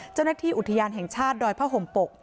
เจ้าหน้าที่อุทยานแห่งชาติดอยผ้าห่มปก